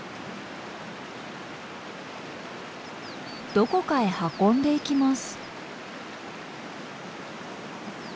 どこかへ運んでいきます。